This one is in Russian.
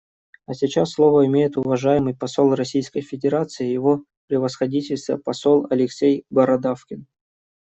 А сейчас слово имеет уважаемый посол Российской Федерации — Его Превосходительство посол Алексей Бородавкин.